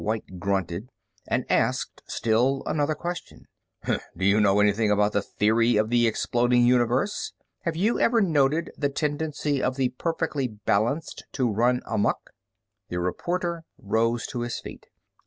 White grunted and asked still another question: "Do you know anything about the theory of the exploding universe? Have you ever noted the tendency of the perfectly balanced to run amuck?" The reporter rose slowly to his feet. "Dr.